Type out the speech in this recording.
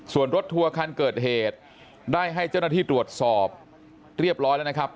ส่วนรถทัวร์คันเกิดเหตุได้ให้เจ้าหน้าที่ตรวจสอบเรียบร้อยแล้วนะครับ